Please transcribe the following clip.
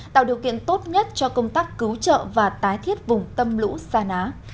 tạo điều kiện tốt nhất cho công tác cứu trợ và tái thiết vùng tâm lũ sa ná